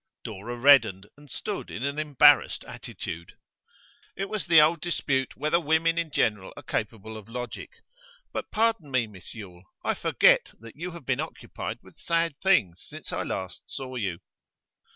Dora reddened, and stood in an embarrassed attitude. 'It was the old dispute whether women in general are capable of logic. But pardon me, Miss Yule; I forget that you have been occupied with sad things since I last saw you.